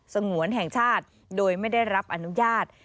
งวนแห่งชาติโดยไม่ได้รับอนุญาต